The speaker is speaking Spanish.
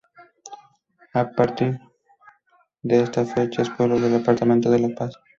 A partir de esta fecha es pueblo del departamento de La Paz.